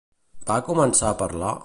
Va començar a parlar?